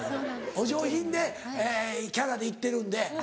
お上品でキャラで行ってるんで。